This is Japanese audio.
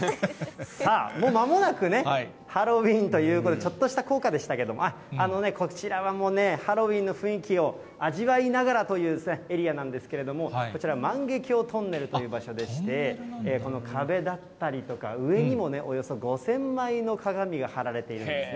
さあ、もうまもなくね、ハロウィンということで、ちょっとした効果でしたけれども、あのね、こちらはもうね、ハロウィンの雰囲気を味わいながらというエリアなんですけれども、こちら、万華鏡トンネルという場所でして、この壁だったりとか、上にもおよそ５０００枚の鏡が貼られているんですね。